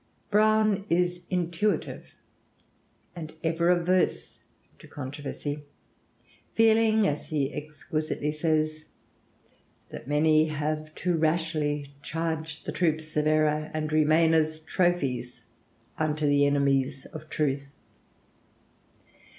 Browne is intuitive and ever averse to controversy, feeling, as he exquisitely says, that "many have too rashly charged the troops of error and remain as trophies unto the enemies of truth.